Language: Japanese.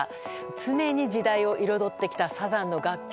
常に時代を彩ってきたサザンの楽曲。